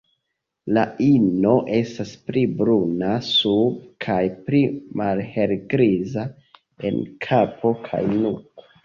La ino estas pli bruna sube kaj pli malhelgriza en kapo kaj nuko.